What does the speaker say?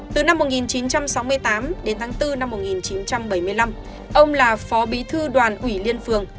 từ năm một nghìn chín trăm sáu mươi tám đến tháng bốn năm một nghìn chín trăm bảy mươi năm ông là phó bí thư đoàn ủy liên phường